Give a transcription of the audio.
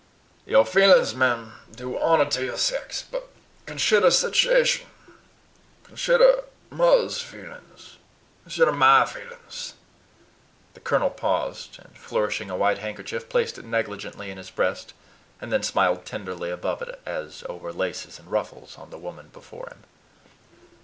"Your feelin's, m'm, do honor to yer sex, but conshider situashun. Conshider m'or's feelings conshider MY feelin's." The colonel paused, and flourishing a white handkerchief, placed it negligently in his breast, and then smiled tenderly above it, as over laces and ruffles, on the woman before him.